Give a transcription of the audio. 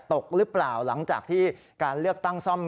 ตกหรือเปล่าหลังจากที่การเลือกตั้งซ่อม